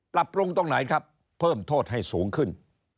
ปรับปรุงตรงไหนครับเพิ่มโทษให้สูงขึ้น